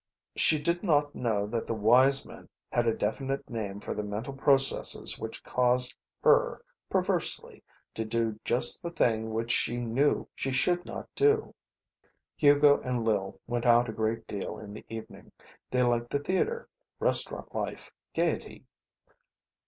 She did not know that the wise men had a definite name for the mental processes which caused her, perversely, to do just the thing which she knew she should not do. Hugo and Lil went out a great deal in the evening. They liked the theatre, restaurant life, gayety.